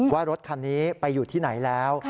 ว่ารถคันนี้ไปอยู่ที่ไหนแล้ว